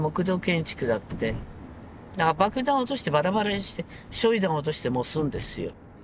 爆弾落としてバラバラにして焼い弾落として燃すんですよ。